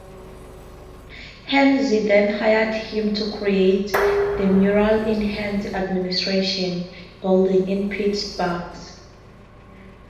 Heinz then hired him to create the murals in Heinz administration building in Pittsburgh.